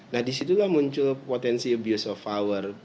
nah disitulah muncul potensi abuse of power